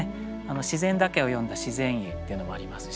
自然だけを詠んだ「自然詠」っていうのもありますし。